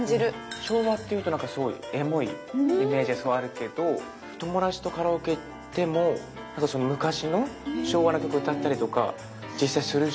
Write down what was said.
昭和っていうとなんかすごいエモいイメージがすごいあるけど友達とカラオケ行ってもなんかその昔の昭和の曲歌ったりとか実際するし。